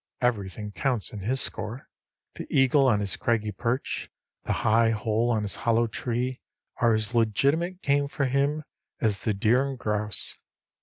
Everything counts in his score. The eagle on his craggy perch, the high hole on his hollow tree, are as legitimate game for him as the deer and grouse.